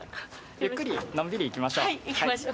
ゆっくり、のんびり行きましょう。